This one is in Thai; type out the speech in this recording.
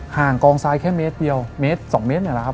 ห่างกองทรายแค่เมตรเดียว๒เมตรหน่อยแล้วครับ